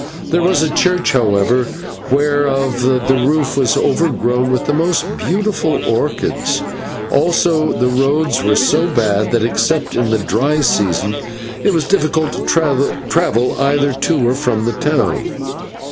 There was a church, however, whereof the roof was overgrown with the most beautiful orchids. Also the roads were so bad that, except in the dry season, it was difficult to travel either to or from the town.